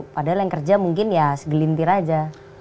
padahal yang kerja mungkin ya segelintir aja